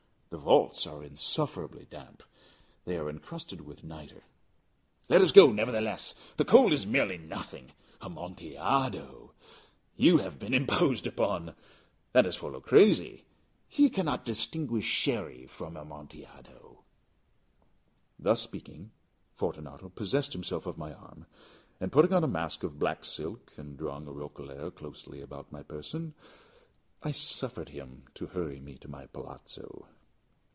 The vaults are insufferably damp. They are encrusted with nitre." "Let us go, nevertheless. The cold is merely nothing. Amontillado! You have been imposed upon. And as for Luchesi, he cannot distinguish Sherry from Amontillado." Thus speaking, Fortunato possessed himself of my arm. Putting on a mask of black silk, and drawing a roquelaire closely about my person, I suffered him to hurry me to my palazzo.